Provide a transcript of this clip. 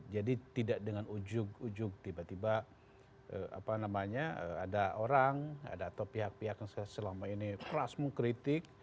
jadi tidak dengan ujug ujug tiba tiba ada orang atau pihak pihak yang selama ini kerasmu kritik